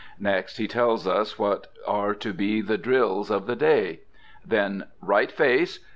Next he tells us what are to be the drills of the day. Then, "Right face!